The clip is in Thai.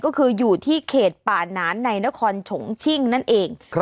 ก็คืออยู่ที่เขตป่าหนานในนครชงชิ่งนั่นเอง